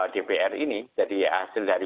dpr ini jadi hasil dari